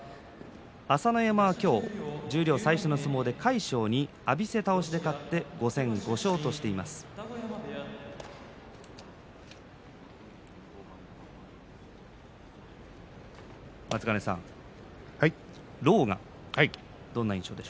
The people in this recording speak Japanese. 朝乃山は今日十両最初の相撲で魁勝に浴びせ倒しで勝って５戦５勝です